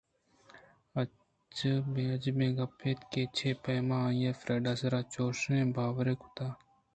اجبیں گپے اَت کہ چے پیم آئیءَ فریڈا ءِ سرا چوشیں باورے کُتگ اَت